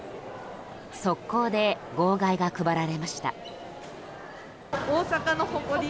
速攻で号外が配られました。